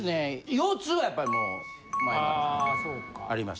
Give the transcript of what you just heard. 腰痛はやっぱりもう前からあります。